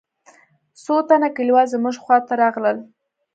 څو تنه کليوال زموږ خوا ته راغلل.